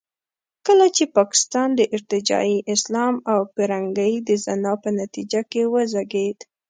کله چې پاکستان د ارتجاعي اسلام او پیرنګۍ د زنا په نتیجه کې وزېږېد.